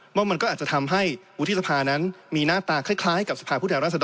ว่ามันก็อาจจะทำให้วุฒิสภานั้นมีหน้าตาคล้ายกับสภาพผู้แทนรัศดร